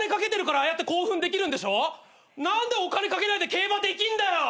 何でお金賭けないで競馬できんだよ！